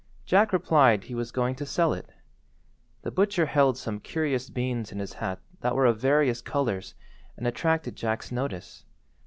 Jack replied he was going to sell it. The butcher held some curious beans in his hat that were of various colours and attracted Jack's notice.